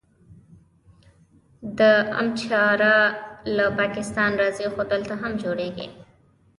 د ام اچار له پاکستان راځي خو دلته هم جوړیږي.